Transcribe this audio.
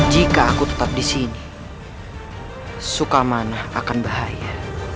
jika aku tetap disini suka mana akan bahaya